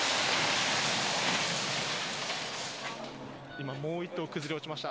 今、もう１棟、崩れ落ちました。